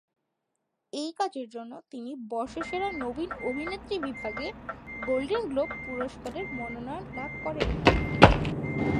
এই কাজের জন্য তিনি বর্ষসেরা নবীন অভিনেত্রী বিভাগে গোল্ডেন গ্লোব পুরস্কারের মনোনয়ন লাভ করেন।